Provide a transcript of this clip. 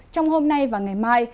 trong hôm nay và ngày mai